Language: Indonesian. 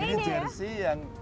ini jersey yang